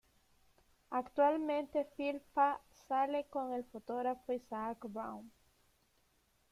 Actualmente Philippa sale con el fotógrafo Isaac Brown.